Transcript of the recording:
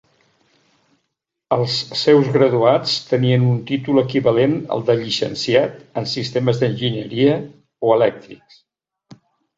Els seus graduats tenien un títol equivalent al de Llicenciat en Sistemes d'Enginyeria o Elèctrics.